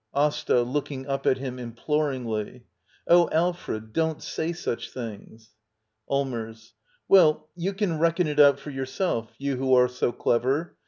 Asta. [Looking up at him imploringly.] Oh, Alfred, don't say such things! Allmbrs. Well, you can reckon it out for your self — you who are so clever.